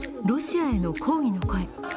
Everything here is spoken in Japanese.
ロシアへの抗議の声。